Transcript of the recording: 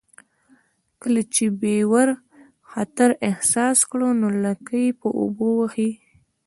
کله چې بیور خطر احساس کړي نو لکۍ په اوبو وهي